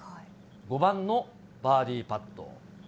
５番のバーディーパット。